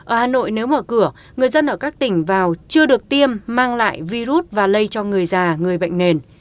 ở hà nội nếu mở cửa người dân ở các tỉnh vào chưa được tiêm mang lại virus và lây cho người già người bệnh nền